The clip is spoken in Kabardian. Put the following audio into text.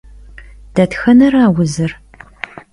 Detxenera vuzır?